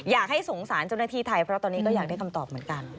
อยากให้สงสารเจ้าหน้าที่ไทยเพราะตอนนี้ก็อยากได้คำตอบเหมือนกัน